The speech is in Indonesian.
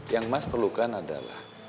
yang mas perlukan adalah